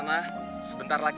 kita memasaknya dengan air